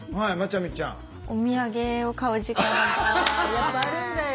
やっぱあるんだよ。